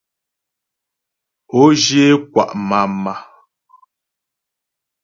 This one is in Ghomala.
Ǒ zhyə é kwà' màmà.